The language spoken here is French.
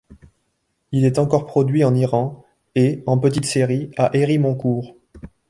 Il est encore produit en Iran et, en petite série, à Hérimoncourt.